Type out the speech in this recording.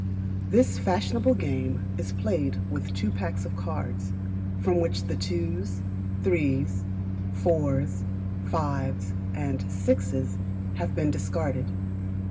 This fashionable game is played with two packs of cards, from which the twos, threes, fours, fives, and sixes, have been discarded.